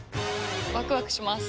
ワクワクします。